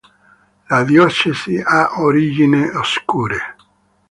La diocesi ha origine oscure.